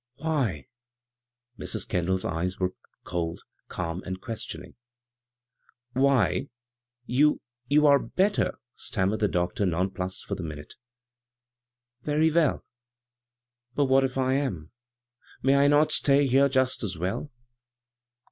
" Why ?"— Mrs. Kendall's eyes were ODld, cairn, and questioning. "Why, you — ^you are better," stammered the doctor, nonplussed for the minute. "Very well. But what if I am? May I not stay here just as well